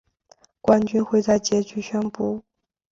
冠军会在结局宣布。